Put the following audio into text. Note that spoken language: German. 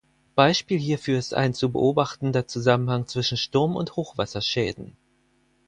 Beispiel hierfür ist ein zu beobachtender Zusammenhang zwischen Sturm- und Hochwasserschäden.